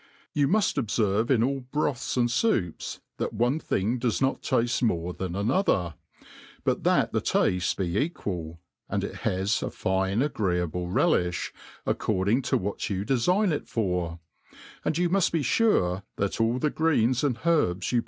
You muft obferve in all broths and foups that one thing does not tafte more than another; but thai the tafte be equal, and ^ it has a fine agreeable relifli, according to what you defign ic for; and you muft be fure, that all the greens and herbs you